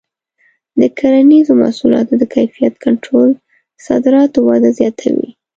د کرنیزو محصولاتو د کیفیت کنټرول د صادراتو وده زیاتوي.